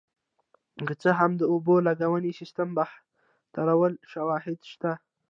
که څه هم د اوبو لګونې سیستم بهتروالی شواهد شته